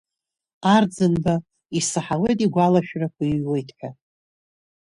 Арӡынба, исаҳауеит игәалашәарақәа иҩуеит ҳәа.